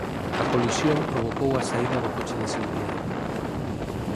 A colisión provocou a saída do coche de seguridade.